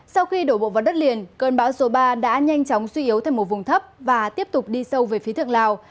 sau khi đổ bộ vào đất liền cơn bão số ba đã nhanh chóng suy yếu thành một vùng thấp và tiếp tục đi sâu về phía thượng lào